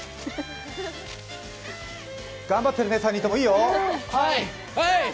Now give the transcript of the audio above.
頑張ってるね、３人とも。いいよ。